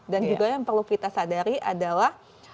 dan juga yang perlu kita sadari adalah